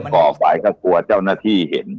ก่อฝ่ายก็กลัวเจ้าหน้าที่เห็น